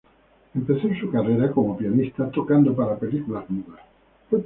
Empezó su carrera como pianista tocando para películas mudas.